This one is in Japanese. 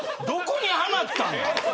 どこに、はまったの。